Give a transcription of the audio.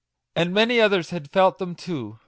And many others had felt them too !